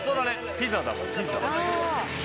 ピザだもんね。